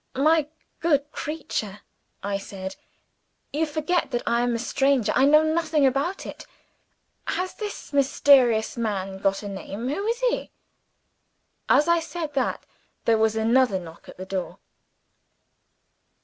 "My good creature!" I said, "you forget that I am a stranger! I know nothing about it. Has this mysterious man got a name? Who is 'He'?" As I said that, there was another knock at the door.